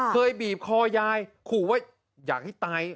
เคยบีบคอยายขู่ไว้อยากให้ตาย